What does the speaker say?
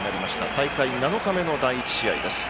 大会７日目の第１試合です。